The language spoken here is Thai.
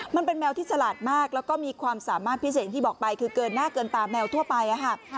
แมวที่ฉลาดมากแล้วก็มีความสามารถพิเศษอย่างที่บอกไปคือเกินหน้าเกินตาแมวทั่วไป